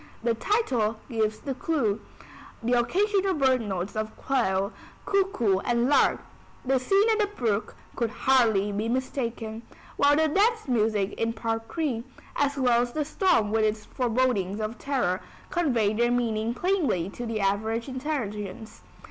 The title gives the clew; the occasional bird notes of quail, cuckoo and lark, the scene at the brook, could hardly be mistaken; while the dance music in Part III, as well as the storm with its forebodings of terror, convey their meaning plainly to the average intelligence.